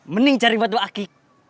mending cari batu aki